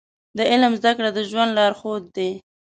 د علم زده کړه د ژوند لارښود دی.